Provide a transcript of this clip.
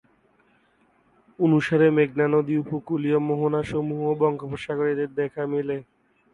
অনুসারে মেঘনা নদী, উপকূলীয় মোহনা সমূহ ও বঙ্গোপসাগরে এদের দেখা মেলে।